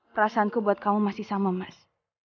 perasaanku buat kamu masih sama mas